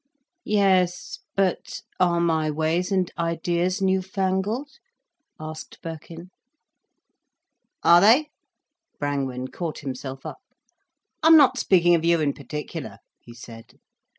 "Yes, but are my ways and ideas new fangled?" asked Birkin. "Are they?" Brangwen caught himself up. "I'm not speaking of you in particular," he said.